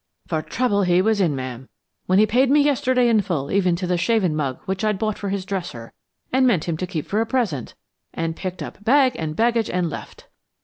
For trouble he was in, ma'am, when he paid me yesterday in full even to the shavin' mug which I'd bought for his dresser, and meant him to keep for a present and picked up bag and baggage and left.